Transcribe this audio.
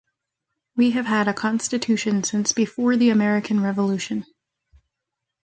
We have had a constitution since before the American revolution.